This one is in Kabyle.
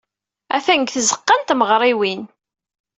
Atan deg tzeɣɣa n tmeɣriwin.